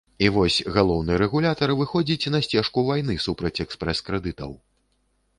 І вось, галоўны рэгулятар выходзіць на сцежку вайны супраць экспрэс-крэдытаў.